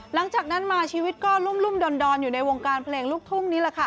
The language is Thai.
หลังจากนั้นมาชีวิตก็รุ่มดอนอยู่ในวงการเพลงลูกทุ่งนี้แหละค่ะ